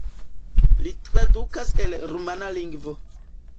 Li tradukas el rumana lingvo.